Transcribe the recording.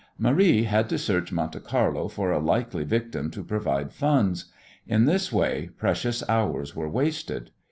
Marie had to search Monte Carlo for a likely victim to provide funds. In this way precious hours were wasted.